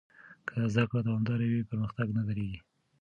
که زده کړه دوامداره وي، پرمختګ نه درېږي.